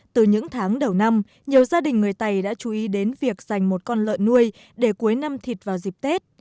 từ những tháng đầu năm nhiều gia đình người tày đã chú ý đến việc dành một con lợn nuôi để cuối năm thịt vào dịp tết